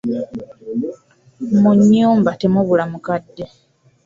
Mu nnyumba temubula mukadde.